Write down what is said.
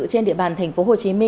trên địa bàn tp hcm